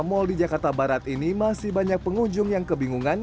mal di jakarta barat ini masih banyak pengunjung yang kebingungan